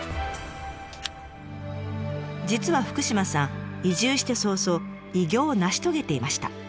実は福島さん移住して早々偉業を成し遂げていました。